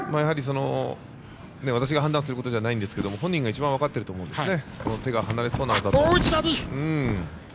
私が判断することじゃないですが本人が一番分かっていると思うんですね。